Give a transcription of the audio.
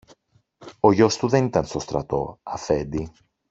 Ο γιος του δεν ήταν στο στρατό, Αφέντη.